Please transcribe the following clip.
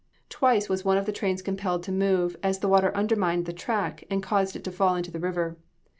Twice was one of the trains compelled to move, as the water undermined the track, and caused it to fall into the river.